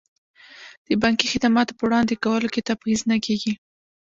د بانکي خدماتو په وړاندې کولو کې تبعیض نه کیږي.